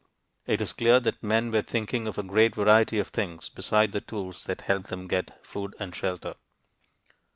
It is clear that men were thinking of a great variety of things beside the tools that helped them get food and shelter.